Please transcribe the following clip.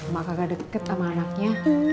mak kagak deket sama anaknya